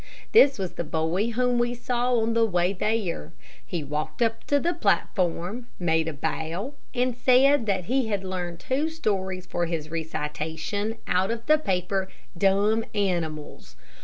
This was the boy whom we saw on the way there. He walked up to the platform, made a bow, and said that he had learned two stories for his recitation, out of the paper, "Dumb Animals."